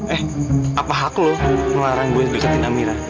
eh apa hak lo melarang gue deketin amira